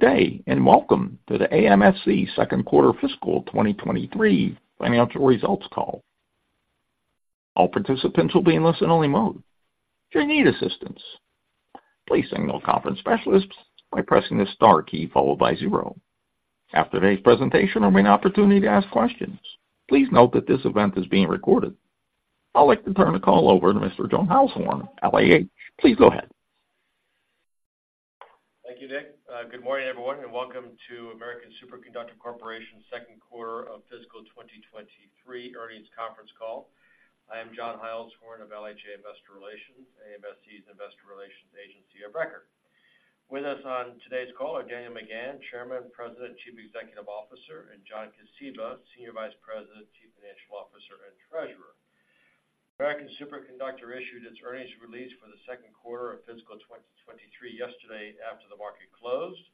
Good day, and welcome to the AMSC second quarter fiscal 2023 financial results call. All participants will be in listen-only mode. If you need assistance, please signal conference specialists by pressing the star key followed by zero. After today's presentation, there will be an opportunity to ask questions. Please note that this event is being recorded. I'd like to turn the call over to Mr. John Heilshorn, LHA. Please go ahead. Thank you, Nick. Good morning, everyone, and welcome to American Superconductor Corporation's second quarter of fiscal 2023 earnings conference call. I am John Heilshorn of LHA Investor Relations, AMSC's investor relations agency of record. With us on today's call are Daniel McGahn, Chairman, President, Chief Executive Officer, and John Kosiba, Senior Vice President, Chief Financial Officer, and Treasurer. American Superconductor issued its earnings release for the second quarter of fiscal 2023 yesterday after the market closed.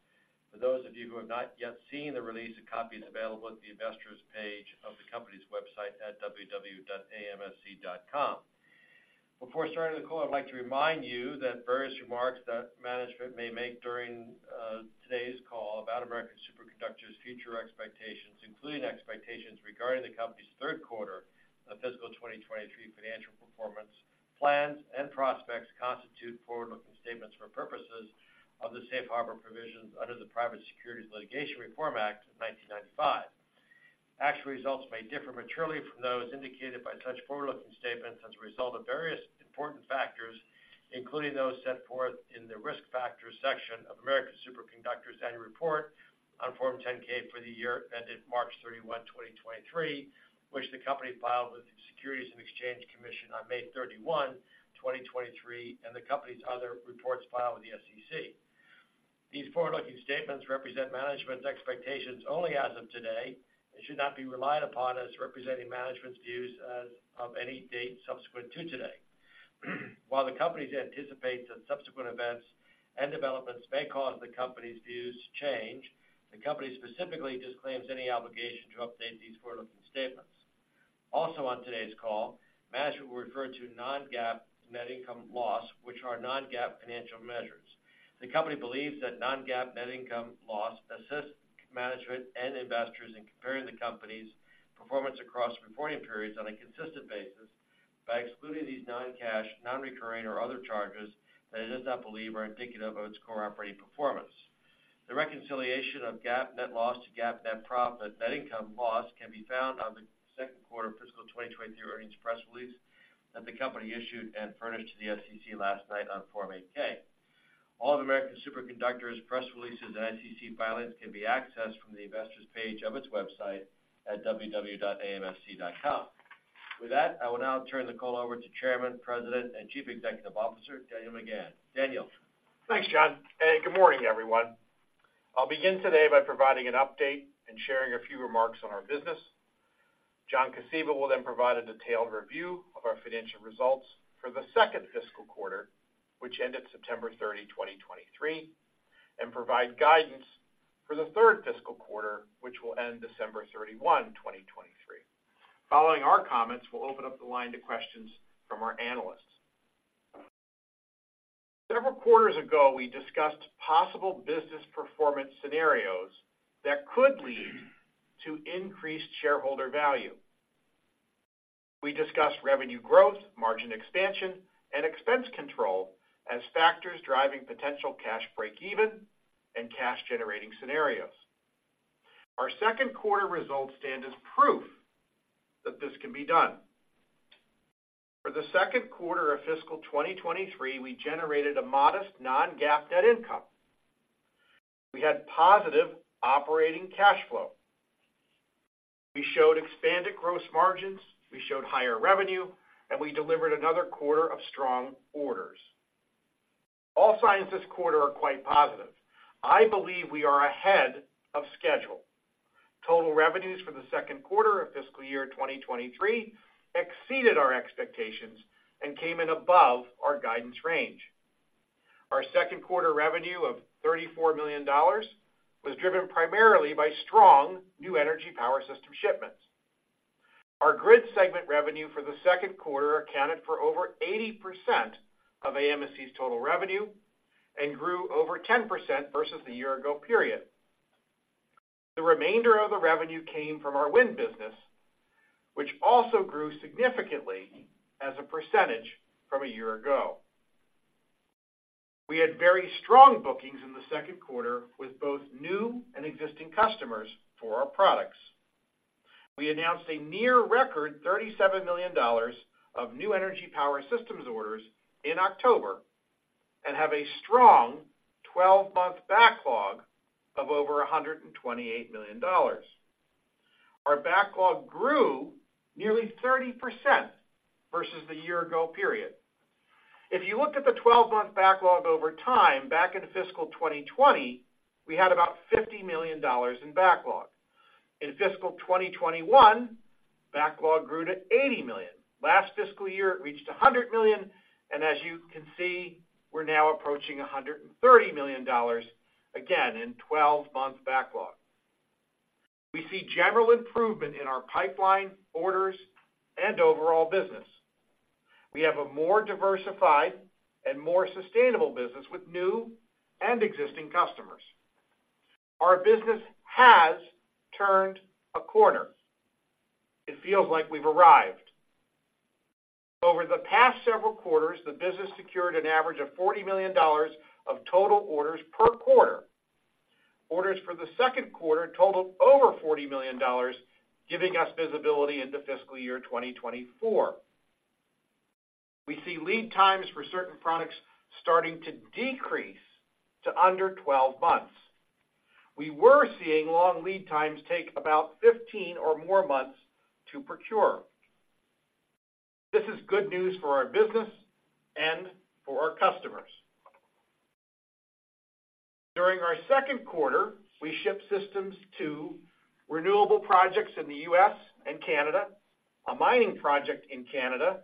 For those of you who have not yet seen the release, a copy is available at the investors page of the company's website at www.amsc.com. Before starting the call, I'd like to remind you that various remarks that management may make during today's call about American Superconductor's future expectations, including expectations regarding the company's third quarter of fiscal 2023 financial performance, plans, and prospects, constitute forward-looking statements for purposes of the safe harbor provisions under the Private Securities Litigation Reform Act of 1995. Actual results may differ materially from those indicated by such forward-looking statements as a result of various important factors, including those set forth in the Risk Factors section of American Superconductor's annual report on Form 10-K for the year ended March 31, 2023, which the company filed with the Securities and Exchange Commission on May 31, 2023, and the company's other reports filed with the SEC. These forward-looking statements represent management's expectations only as of today, and should not be relied upon as representing management's views as of any date subsequent to today. While the companies anticipate that subsequent events and developments may cause the company's views to change, the company specifically disclaims any obligation to update these forward-looking statements. Also, on today's call, management will refer to non-GAAP net income loss, which are non-GAAP financial measures. The company believes that non-GAAP net income loss assists management and investors in comparing the company's performance across reporting periods on a consistent basis by excluding these non-cash, non-recurring, or other charges that it does not believe are indicative of its core operating performance. The reconciliation of GAAP net loss to GAAP net profit, net income loss, can be found on the second quarter fiscal 2023 earnings press release that the company issued and furnished to the SEC last night on Form 8-K. All of American Superconductor's press releases and SEC filings can be accessed from the Investors page of its website at www.amsc.com. With that, I will now turn the call over to Chairman, President, and Chief Executive Officer, Daniel McGahn. Daniel? Thanks, John, and good morning, everyone. I'll begin today by providing an update and sharing a few remarks on our business. John Kosiba will then provide a detailed review of our financial results for the second fiscal quarter, which ended September 30, 2023, and provide guidance for the third fiscal quarter, which will end December 31, 2023. Following our comments, we'll open up the line to questions from our analysts. Several quarters ago, we discussed possible business performance scenarios that could lead to increased shareholder value. We discussed revenue growth, margin expansion, and expense control as factors driving potential cash breakeven and cash-generating scenarios. Our second quarter results stand as proof that this can be done. For the second quarter of fiscal 2023, we generated a modest non-GAAP net income. We had positive operating cash flow. We showed expanded gross margins, we showed higher revenue, and we delivered another quarter of strong orders. All signs this quarter are quite positive. I believe we are ahead of schedule. Total revenues for the second quarter of fiscal year 2023 exceeded our expectations and came in above our guidance range. Our second quarter revenue of $34 million was driven primarily by strong New Energy Power Systems shipments. Our Grid segment revenue for the second quarter accounted for over 80% of AMSC's total revenue and grew over 10% versus the year-ago period. The remainder of the revenue came from our Wind business, which also grew significantly as a percentage from a year ago. We had very strong bookings in the second quarter with both new and existing customers for our products. We announced a near-record $37 million of New Energy Power Systems orders in October, and have a strong 12-month backlog of over $128 million. Our backlog grew nearly 30% versus the year-ago period. If you look at the 12-month backlog over time, back in fiscal 2020, we had about $50 million in backlog. In fiscal 2021, backlog grew to $80 million. Last fiscal year, it reached $100 million, and as you can see, we're now approaching $130 million, again, in 12-month backlog.... We see general improvement in our pipeline, orders, and overall business. We have a more diversified and more sustainable business with new and existing customers. Our business has turned a corner. It feels like we've arrived. Over the past several quarters, the business secured an average of $40 million of total orders per quarter. Orders for the second quarter totaled over $40 million, giving us visibility into fiscal year 2024. We see lead times for certain products starting to decrease to under 12 months. We were seeing long lead times take about 15 or more months to procure. This is good news for our business and for our customers. During our second quarter, we shipped systems to renewable projects in the U.S. and Canada, a mining project in Canada,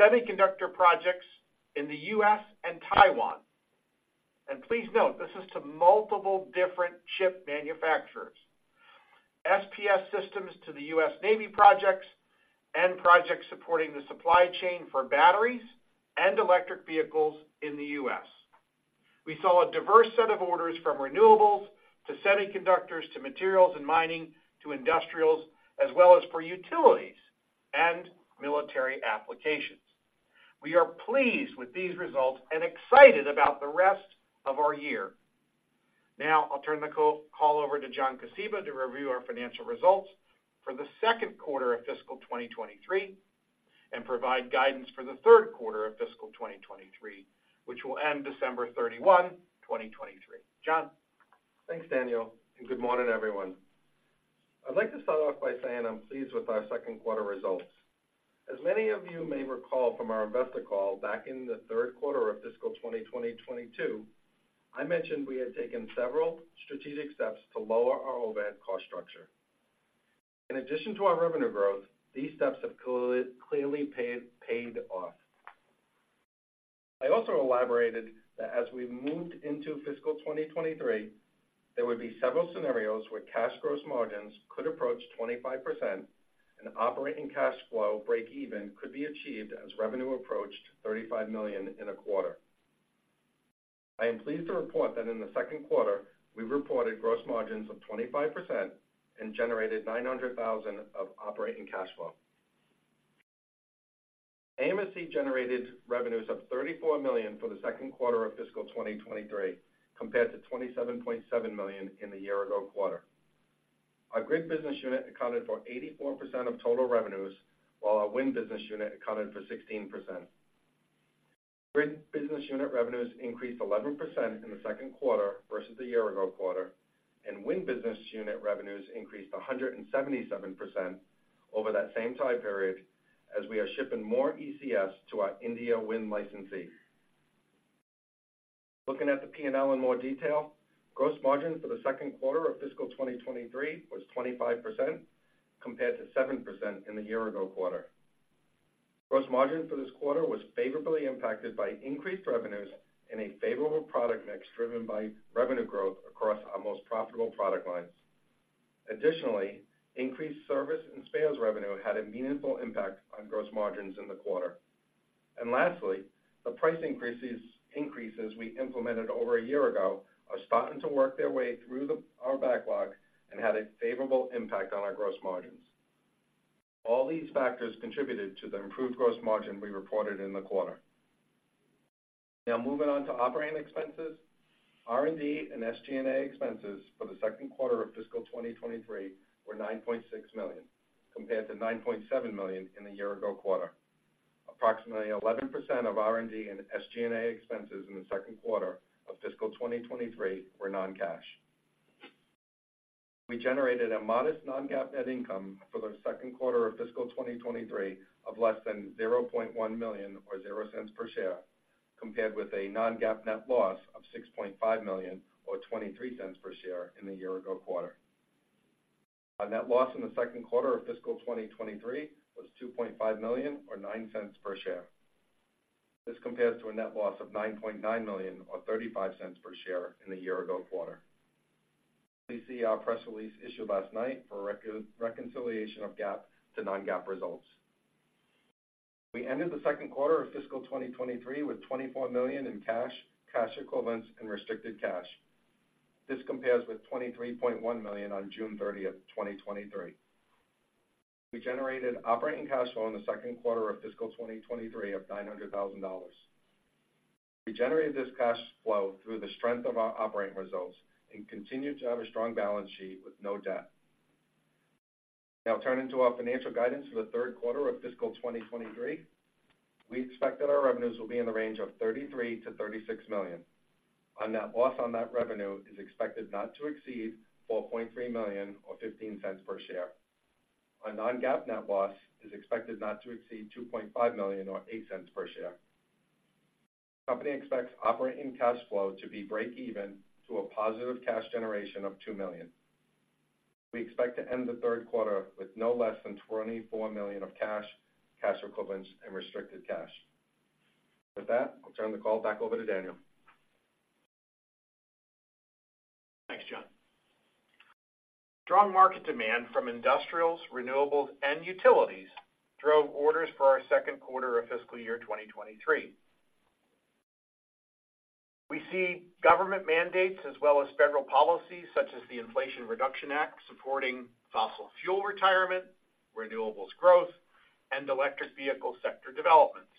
semiconductor projects in the U.S. and Taiwan. And please note, this is to multiple different chip manufacturers, SPS systems to the U.S. Navy projects, and projects supporting the supply chain for batteries and electric vehicles in the U.S. We saw a diverse set of orders from renewables, to semiconductors, to materials and mining, to industrials, as well as for utilities and military applications. We are pleased with these results and excited about the rest of our year. Now, I'll turn the call over to John Kosiba, to review our financial results for the second quarter of fiscal 2023, and provide guidance for the third quarter of fiscal 2023, which will end December 31, 2023. John? Thanks, Daniel, and good morning, everyone. I'd like to start off by saying I'm pleased with our second quarter results. As many of you may recall from our investor call back in the third quarter of fiscal 2022, I mentioned we had taken several strategic steps to lower our overhead cost structure. In addition to our revenue growth, these steps have clearly paid off. I also elaborated that as we moved into fiscal 2023, there would be several scenarios where cash gross margins could approach 25% and operating cash flow breakeven could be achieved as revenue approached $35 million in a quarter. I am pleased to report that in the second quarter, we reported gross margins of 25% and generated $900,000 of operating cash flow. AMSC generated revenues of $34 million for the second quarter of fiscal 2023, compared to $27.7 million in the year ago quarter. Our Grid business unit accounted for 84% of total revenues, while our Wind business unit accounted for 16%. Grid business unit revenues increased 11% in the second quarter versus the year ago quarter, and Wind business unit revenues increased 177% over that same time period, as we are shipping more ECS to our India wind licensee. Looking at the P&L in more detail, gross margin for the second quarter of fiscal 2023 was 25%, compared to 7% in the year ago quarter. Gross margin for this quarter was favorably impacted by increased revenues and a favorable product mix, driven by revenue growth across our most profitable product lines. Additionally, increased service and sales revenue had a meaningful impact on gross margins in the quarter. And lastly, the price increases, increases we implemented over a year ago are starting to work their way through the, our backlog and had a favorable impact on our gross margins. All these factors contributed to the improved gross margin we reported in the quarter. Now, moving on to operating expenses. R&D and SG&A expenses for the second quarter of fiscal 2023 were $9.6 million, compared to $9.7 million in the year ago quarter. Approximately 11% of R&D and SG&A expenses in the second quarter of fiscal 2023 were non-cash. We generated a modest non-GAAP net income for the second quarter of fiscal 2023 of less than $0.1 million, or $0 per share, compared with a non-GAAP net loss of $6.5 million, or $0.23 per share in the year ago quarter. Our net loss in the second quarter of fiscal 2023 was $2.5 million or $0.09 per share. This compares to a net loss of $9.9 million or $0.35 per share in the year ago quarter. Please see our press release issued last night for reconciliation of GAAP to non-GAAP results. We ended the second quarter of fiscal 2023 with $24 million in cash, cash equivalents, and restricted cash. This compares with $23.1 million on June 30th, 2023. We generated operating cash flow in the second quarter of fiscal 2023 of $900,000. We generated this cash flow through the strength of our operating results and continued to have a strong balance sheet with no debt. Now turning to our financial guidance for the third quarter of fiscal 2023. We expect that our revenues will be in the range of $33 million-$36 million. Our net loss on that revenue is expected not to exceed $4.3 million or $0.15 per share. Our non-GAAP net loss is expected not to exceed $2.5 million or $0.08 per share. Company expects operating cash flow to be breakeven to a positive cash generation of $2 million. We expect to end the third quarter with no less than $24 million of cash, cash equivalents, and restricted cash. With that, I'll turn the call back over to Daniel. ... Thanks, John. Strong market demand from industrials, renewables, and utilities drove orders for our second quarter of fiscal year 2023. We see government mandates as well as federal policies, such as the Inflation Reduction Act, supporting fossil fuel retirement, renewables growth, and electric vehicle sector developments.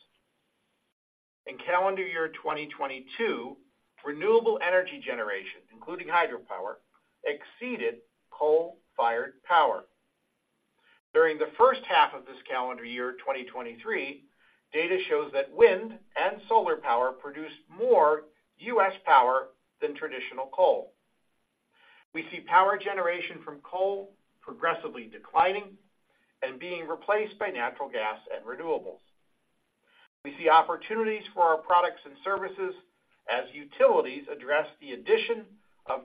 In calendar year 2022, renewable energy generation, including hydropower, exceeded coal-fired power. During the first half of this calendar year, 2023, data shows that wind and solar power produced more U.S. power than traditional coal. We see power generation from coal progressively declining and being replaced by natural gas and renewables. We see opportunities for our products and services as utilities address the addition of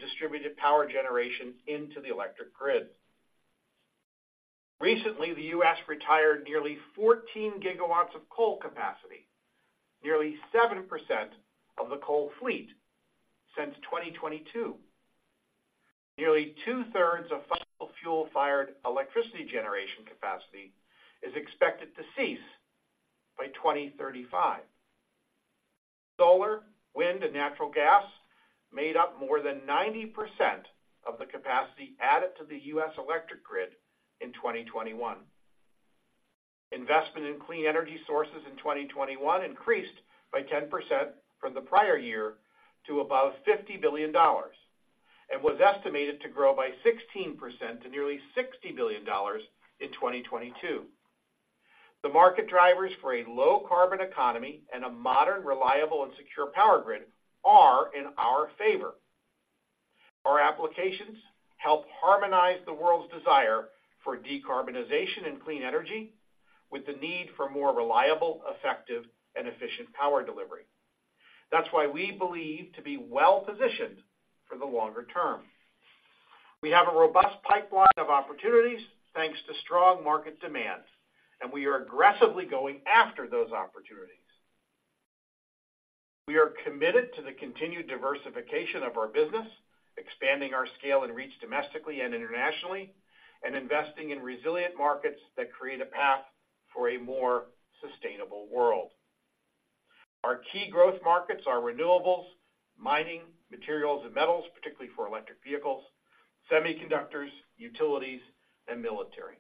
distributed power generation into the electric grid. Recently, the U.S. retired nearly 14 GW of coal capacity, nearly 7% of the coal fleet since 2022. Nearly two-thirds of fossil fuel-fired electricity generation capacity is expected to cease by 2035. Solar, wind, and natural gas made up more than 90% of the capacity added to the U.S. electric grid in 2021. Investment in clean energy sources in 2021 increased by 10% from the prior year to about $50 billion, and was estimated to grow by 16% to nearly $60 billion in 2022. The market drivers for a low-carbon economy and a modern, reliable, and secure power grid are in our favor. Our applications help harmonize the world's desire for decarbonization and clean energy, with the need for more reliable, effective, and efficient power delivery. That's why we believe to be well-positioned for the longer term. We have a robust pipeline of opportunities, thanks to strong market demand, and we are aggressively going after those opportunities. We are committed to the continued diversification of our business, expanding our scale and reach domestically and internationally, and investing in resilient markets that create a path for a more sustainable world. Our key growth markets are renewables, mining, materials and metals, particularly for electric vehicles, semiconductors, utilities, and military.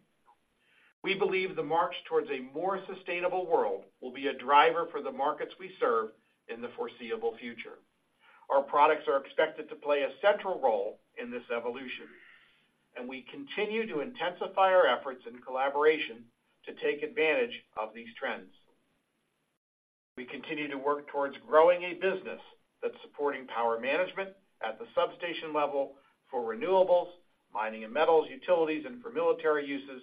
We believe the march towards a more sustainable world will be a driver for the markets we serve in the foreseeable future. Our products are expected to play a central role in this evolution, and we continue to intensify our efforts and collaboration to take advantage of these trends. We continue to work towards growing a business that's supporting power management at the substation level for renewables, mining and metals, utilities, and for military uses,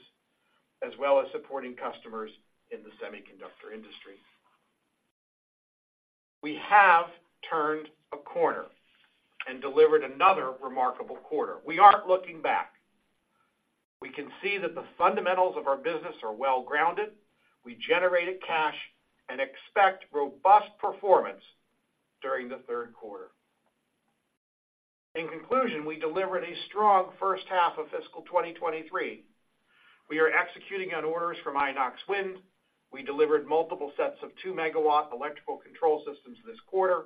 as well as supporting customers in the semiconductor industry. We have turned a corner and delivered another remarkable quarter. We aren't looking back. We can see that the fundamentals of our business are well-grounded. We generated cash and expect robust performance during the third quarter. In conclusion, we delivered a strong first half of fiscal 2023. We are executing on orders from Inox Wind. We delivered multiple sets of 2 MW Electrical Control Systems this quarter.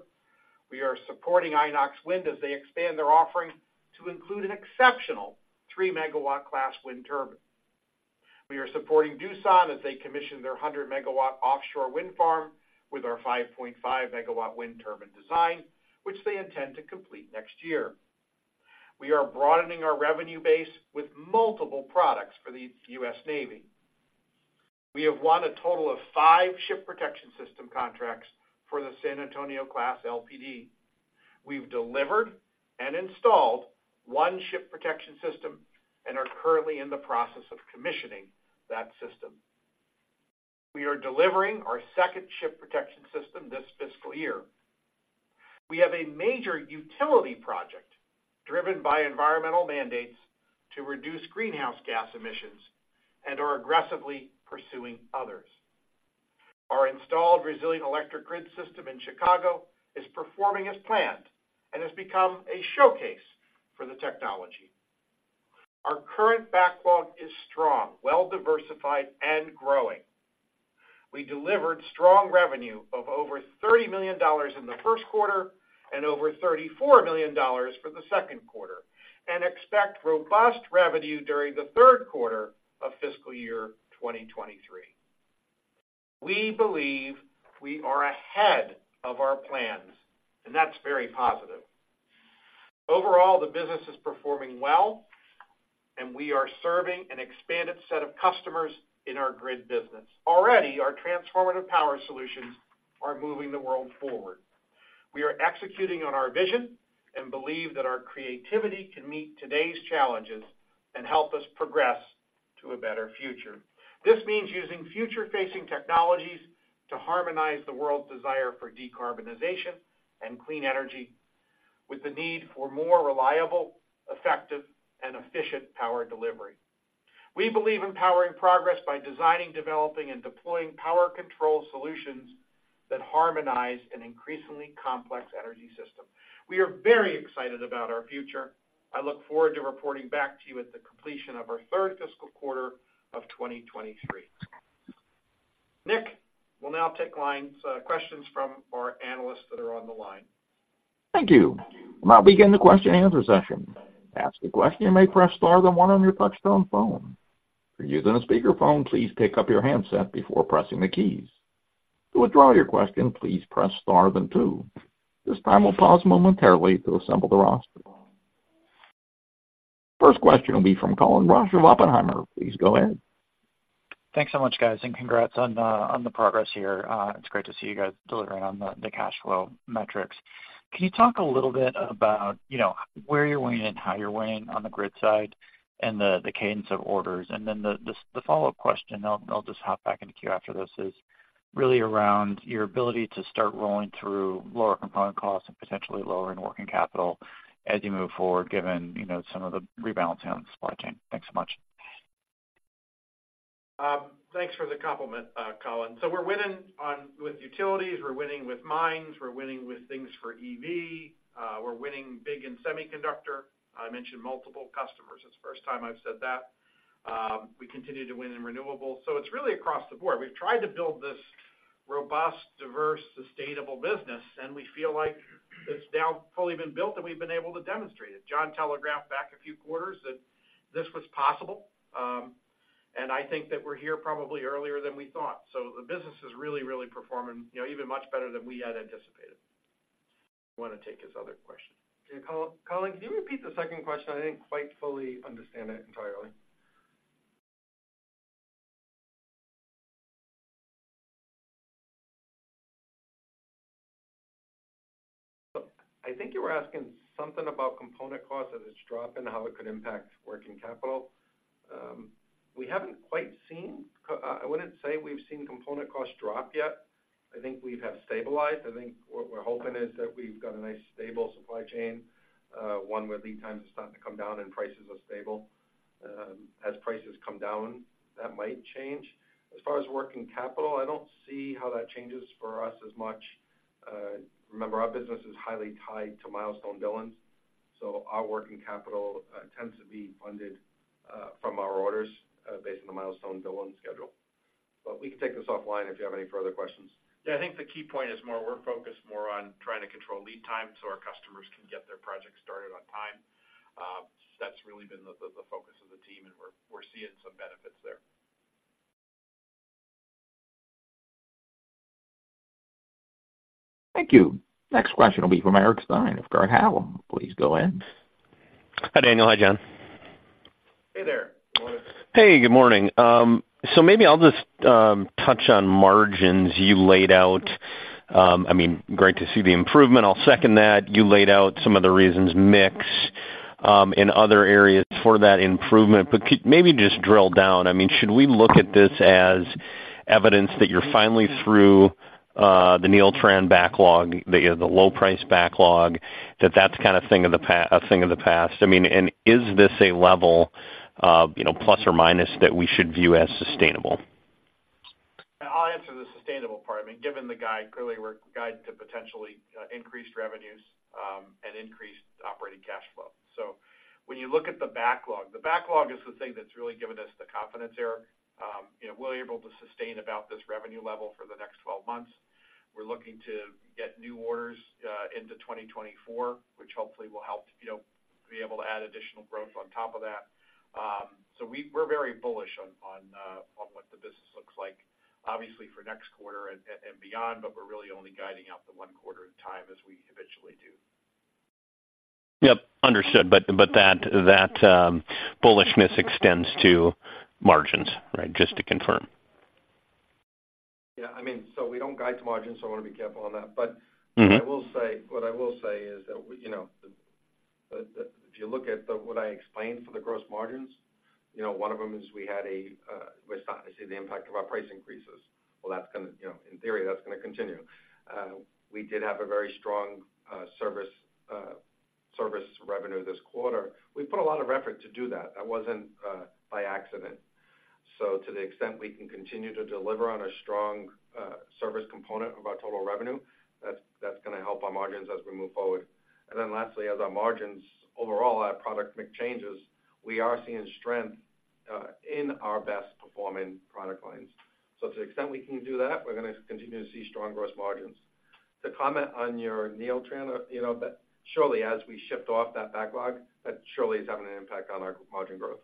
We are supporting Inox Wind as they expand their offering to include an exceptional 3 MW class wind turbine. We are supporting Doosan as they commission their 100 MW offshore wind farm with our 5.5 MW wind turbine design, which they intend to complete next year. We are broadening our revenue base with multiple products for the U.S. Navy. We have won a total of five Ship Protection System contracts for the San Antonio-class LPD. We've delivered and installed one Ship Protection System and are currently in the process of commissioning that system. We are delivering our second Ship Protection System this fiscal year. We have a major utility project driven by environmental mandates to reduce greenhouse gas emissions and are aggressively pursuing others. Our installed Resilient Electric Grid system in Chicago is performing as planned and has become a showcase for the technology. Our current backlog is strong, well-diversified, and growing. We delivered strong revenue of over $30 million in the first quarter and over $34 million for the second quarter, and expect robust revenue during the third quarter of fiscal year 2023. We believe we are ahead of our plans, and that's very positive. Overall, the business is performing well, and we are serving an expanded set of customers in our Grid business. Already, our transformative power solutions are moving the world forward. We are executing on our vision and believe that our creativity can meet today's challenges and help us progress to a better future. This means using future-facing technologies to harmonize the world's desire for decarbonization and clean energy, with the need for more reliable, effective, and efficient power delivery... We believe in powering progress by designing, developing, and deploying power control solutions that harmonize an increasingly complex energy system. We are very excited about our future. I look forward to reporting back to you at the completion of our third fiscal quarter of 2023. Nick, we'll now take lines, questions from our analysts that are on the line. Thank you. We'll now begin the question-and-answer session. To ask a question, you may press star, then one on your touchtone phone. If you're using a speakerphone, please pick up your handset before pressing the keys. To withdraw your question, please press star, then two. This time, we'll pause momentarily to assemble the roster. First question will be from Colin Rusch of Oppenheimer. Please go ahead. Thanks so much, guys, and congrats on the, on the progress here. It's great to see you guys delivering on the, the cash flow metrics. Can you talk a little bit about, you know, where you're winning and how you're winning on the grid side and the, the cadence of orders? And then the, the follow-up question, I'll, I'll just hop back in the queue after this, is really around your ability to start rolling through lower component costs and potentially lowering working capital as you move forward, given, you know, some of the rebalancing on the supply chain. Thanks so much. Thanks for the compliment, Colin. So we're winning with utilities, we're winning with mines, we're winning with things for EV, we're winning big in semiconductor. I mentioned multiple customers. It's the first time I've said that. We continue to win in renewables, so it's really across the board. We've tried to build this robust, diverse, sustainable business, and we feel like it's now fully been built, and we've been able to demonstrate it. John telegraphed back a few quarters that this was possible, and I think that we're here probably earlier than we thought. So the business is really, really performing, you know, even much better than we had anticipated. Want to take his other question. Yeah, Colin, can you repeat the second question? I didn't quite fully understand it entirely. I think you were asking something about component costs as it's dropping, how it could impact working capital. I wouldn't say we've seen component costs drop yet. I think we have stabilized. I think what we're hoping is that we've got a nice stable supply chain, one where lead times are starting to come down and prices are stable. As prices come down, that might change. As far as working capital, I don't see how that changes for us as much. Remember, our business is highly tied to milestone billings, so our working capital tends to be funded from our orders based on the milestone billing schedule. But we can take this offline if you have any further questions. Yeah, I think the key point is more we're focused more on trying to control lead time, so our customers can get their project started on time. That's really been the focus of the team, and we're seeing some benefits there. Thank you. Next question will be from Eric Stine of Craig-Hallum. Please go in. Hi, Daniel. Hi, John. Hey there. Hey, good morning. So maybe I'll just touch on margins you laid out. I mean, great to see the improvement. I'll second that. You laid out some of the reasons, mix, in other areas for that improvement, but maybe just drill down. I mean, should we look at this as evidence that you're finally through the Neeltran backlog, the low price backlog, that that's kind of a thing of the past? I mean, and is this a level of, you know, plus or minus, that we should view as sustainable? I'll answer the sustainable part. I mean, given the guide, clearly, we're guided to potentially increased revenues and increased operating cash flow. So when you look at the backlog, the backlog is the thing that's really given us the confidence, Eric. You know, we're able to sustain about this revenue level for the next 12 months. We're looking to get new orders into 2024, which hopefully will help, you know, be able to add additional growth on top of that. So we're very bullish on what the business looks like, obviously for next quarter and beyond, but we're really only guiding out the one quarter at a time as we eventually do. Yep, understood. But that bullishness extends to margins, right? Just to confirm. Yeah, I mean, so we don't guide to margins, so I want to be careful on that. Mm-hmm. But what I will say is that, you know, if you look at the... What I explained for the gross margins, you know, one of them is we had a, we're starting to see the impact of our price increases. Well, that's gonna, you know, in theory, that's gonna continue. We did have a very strong service revenue this quarter. We put a lot of effort to do that. That wasn't by accident. So to the extent we can continue to deliver on a strong service component of our total revenue, that's, that's gonna help our margins as we move forward. And then lastly, as our margins overall, our product mix changes, we are seeing strength in our best-performing product lines. So to the extent we can do that, we're gonna continue to see strong gross margins. To comment on your Neeltran, you know, that surely as we shift off that backlog, that surely is having an impact on our margin growth.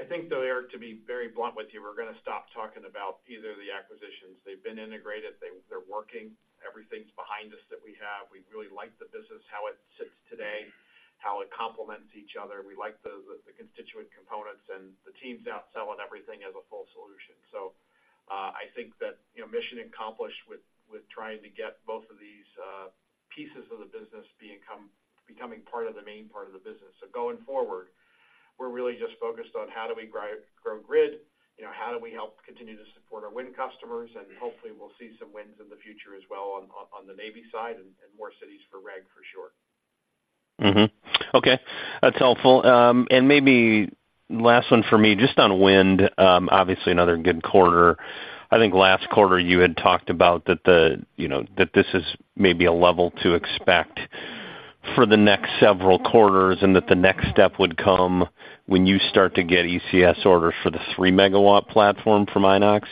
I think, though, Eric, to be very blunt with you, we're gonna stop talking about either of the acquisitions. They've been integrated, they're working, everything's behind us that we have. We really like the business, how it sits today, how it complements each other. We like the constituent components, and the team's out selling everything as a full solution. So, I think that, you know, mission accomplished with trying to get both of these pieces of the business becoming part of the main part of the business. So going forward, we're really just focused on how do we grow grid, you know, how do we help continue to support our wind customers, and hopefully, we'll see some winds in the future as well on the Navy side and more cities for REG, for sure.... Mm-hmm. Okay, that's helpful. And maybe last one for me, just on Wind, obviously, another good quarter. I think last quarter you had talked about that the, you know, that this is maybe a level to expect for the next several quarters, and that the next step would come when you start to get ECS orders for the 3 MW platform from Inox.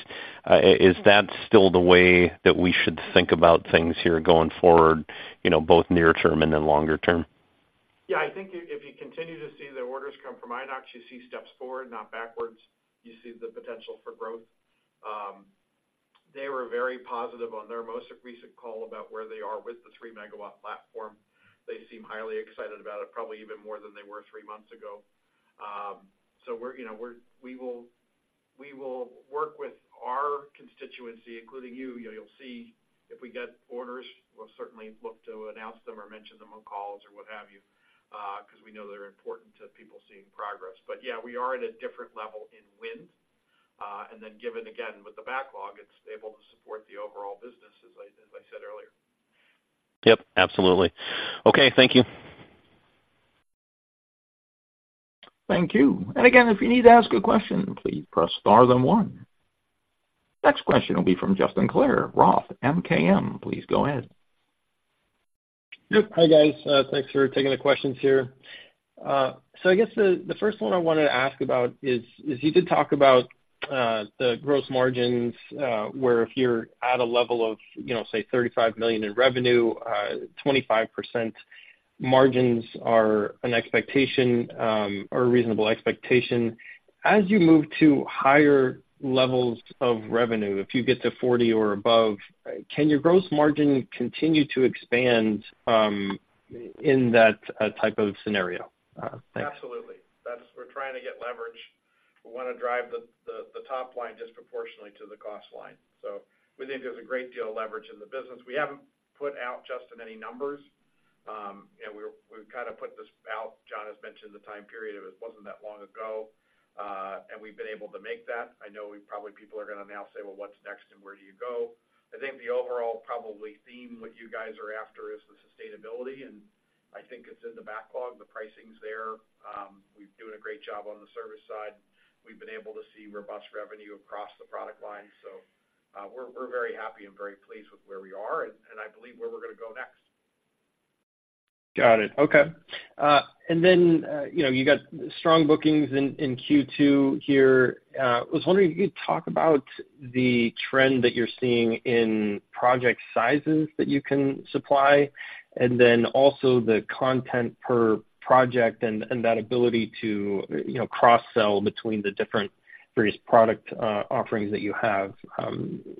Is that still the way that we should think about things here going forward, you know, both near term and then longer term? Yeah, I think if you continue to see the orders come from Inox, you see steps forward, not backwards. You see the potential for growth. They were very positive on their most recent call about where they are with the 3 MW platform. They seem highly excited about it, probably even more than they were three months ago. So we're, you know, we will work with our constituency, including you. You'll see if we get orders, we'll certainly look to announce them or mention them on calls or what have you, because we know they're important to people seeing progress. But yeah, we are at a different level in Wind. And then given again, with the backlog, it's able to support the overall business, as I said earlier. Yep, absolutely. Okay. Thank you. Thank you. And again, if you need to ask a question, please press Star then one. Next question will be from Justin Clare, Roth MKM. Please go ahead. Yep. Hi, guys, thanks for taking the questions here. So I guess the first one I wanted to ask about is you did talk about the gross margins, where if you're at a level of, you know, say, $35 million in revenue, 25% margins are an expectation, or a reasonable expectation. As you move to higher levels of revenue, if you get to $40 million or above, can your gross margin continue to expand in that type of scenario? Thanks. Absolutely. That's. We're trying to get leverage. We wanna drive the top line disproportionately to the cost line. So we think there's a great deal of leverage in the business. We haven't put out just in any numbers. And we've kind of put this out. John has mentioned the time period. It wasn't that long ago, and we've been able to make that. I know, probably people are gonna now say, well, what's next and where do you go? I think the overall probably theme, what you guys are after, is the sustainability, and I think it's in the backlog. The pricing's there. We're doing a great job on the service side. We've been able to see robust revenue across the product line. So, we're very happy and very pleased with where we are, and I believe where we're gonna go next. Got it. Okay. And then, you know, you got strong bookings in Q2 here. I was wondering if you could talk about the trend that you're seeing in project sizes that you can supply, and then also the content per project and that ability to, you know, cross-sell between the different various product offerings that you have.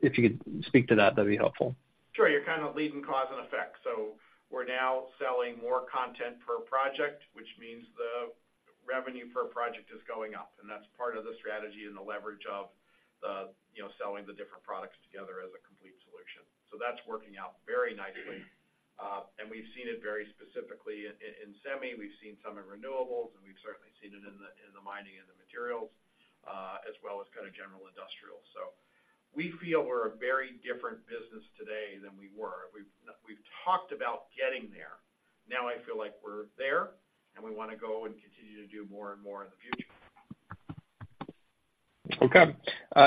If you could speak to that, that'd be helpful. Sure. You're kind of leading cause and effect. So we're now selling more content per project, which means the revenue per project is going up, and that's part of the strategy and the leverage of the, you know, selling the different products together as a complete solution. So that's working out very nicely. And we've seen it very specifically in, in semi, we've seen some in renewables, and we've certainly seen it in the, in the mining and the materials, as well as kind of general industrial. So we feel we're a very different business today than we were. We've, we've talked about getting there. Now, I feel like we're there, and we wanna go and continue to do more and more in the future. Okay.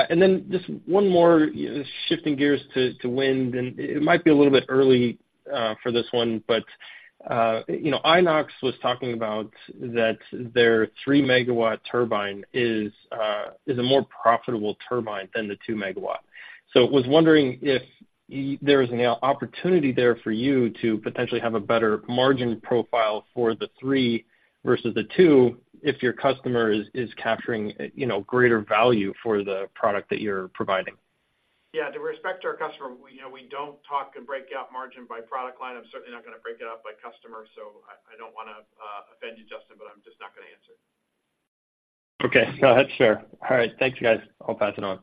And then just one more, shifting gears to Wind, and it might be a little bit early for this one, but you know, Inox was talking about that their 3 MW turbine is a more profitable turbine than the 2 MW. So I was wondering if there is any opportunity there for you to potentially have a better margin profile for the three versus the two, if your customer is capturing you know, greater value for the product that you're providing? Yeah. To respect our customer, we, you know, we don't talk and break out margin by product line. I'm certainly not gonna break it out by customer, so I, I don't wanna offend you, Justin, but I'm just not gonna answer. Okay, that's fair. All right. Thanks, guys. I'll pass it on.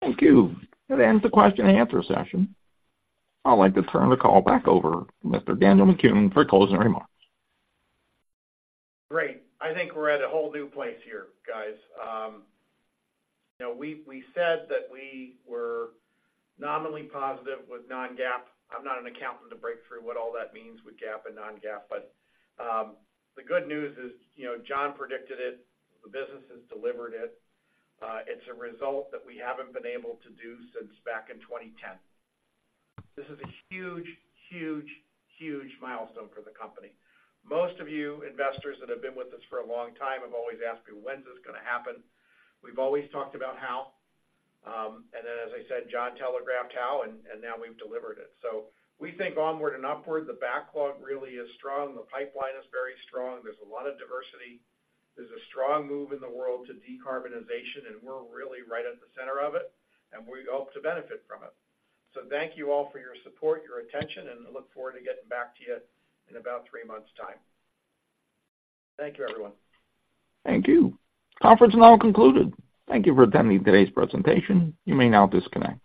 Thank you. That ends the question and answer session. I'd like to turn the call back over to Mr. Daniel McGahn for closing remarks. Great. I think we're at a whole new place here, guys. You know, we said that we were nominally positive with non-GAAP. I'm not an accountant to break through what all that means with GAAP and non-GAAP, but the good news is, you know, John predicted it, the business has delivered it. It's a result that we haven't been able to do since back in 2010. This is a huge, huge, huge milestone for the company. Most of you, investors that have been with us for a long time, have always asked me, when's this gonna happen? We've always talked about how, and then, as I said, John telegraphed how, and now we've delivered it. So we think onward and upward, the backlog really is strong. The pipeline is very strong. There's a lot of diversity. There's a strong move in the world to decarbonization, and we're really right at the center of it, and we hope to benefit from it. So thank you all for your support, your attention, and I look forward to getting back to you in about three months time. Thank you, everyone. Thank you. Conference now concluded. Thank you for attending today's presentation. You may now disconnect.